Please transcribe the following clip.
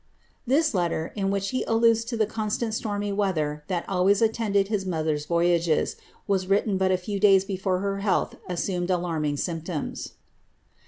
''' This letter, in which he alludes to the constant stormy weather that always attended his mother's voyages, was written but a few days before her health assumed alarming sym^ tonis.